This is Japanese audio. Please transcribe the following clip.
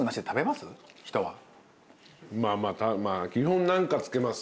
まあ基本何か付けます。